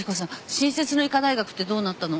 新設の医科大学ってどうなったの？